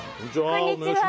こんにちは。